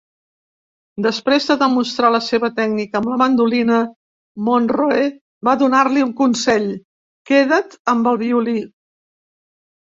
Després de demostrar la seva tècnica amb la mandolina, Monroe va donar-li un consell: "queda't amb el violí".